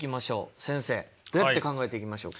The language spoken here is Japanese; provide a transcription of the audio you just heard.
先生どうやって考えていきましょうか？